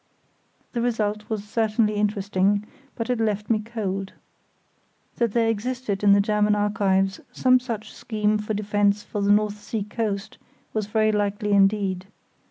The result was certainly interesting, but it left me cold. That there existed in the German archives some such scheme of defence for the North Sea coast was very likely indeed.